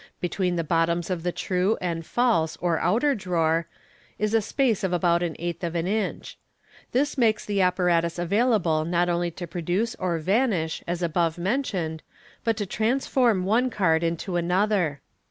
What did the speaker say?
Between the bottoms of the true and false or outer drawer, is a space of about an eighth of an inch. This makes the apparatus available not only to produce or vanish as above mentioned, but to transform one card into another.